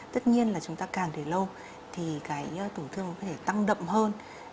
tất nhiên là chúng ta càng để lâu thì tổn thương có thể tăng đậm hơn